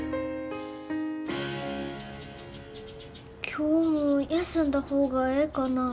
今日も休んだ方がええかな？